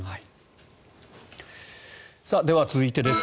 では、続いてです。